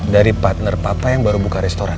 dari partner papa yang baru buka restoran